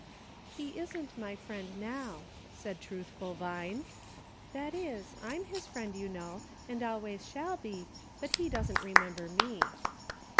" He isn't my friend now," said truthful Vine ;" that is, I'm his friend, you know, and always shall be ; but he doesn't remember me."